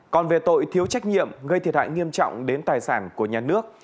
còn về tội thiếu trách nhiệm gây thiệt hại nghiêm trọng đến tài sản của nhà nước